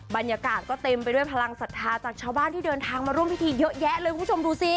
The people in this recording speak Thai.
บรรยากาศก็เต็มไปด้วยพลังศรัทธาจากชาวบ้านที่เดินทางมาร่วมพิธีเยอะแยะเลยคุณผู้ชมดูสิ